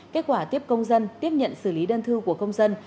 kết quả tiếp công dân tiếp nhận xử lý đơn thư của công dân